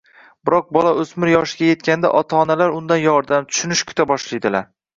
Biroq bola o‘smir yoshiga yetganda ota-onalar undan yordam, tushunish kuta boshlaydilar.